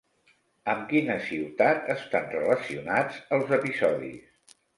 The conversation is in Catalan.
Amb quina ciutat estan relacionats els episodis?